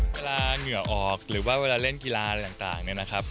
เหงื่อออกหรือว่าเวลาเล่นกีฬาอะไรต่างเนี่ยนะครับ